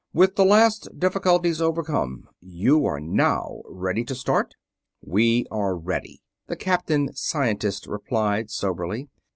With the last difficulties overcome, you are now ready to start?" "We are ready," the captain scientist replied, soberly.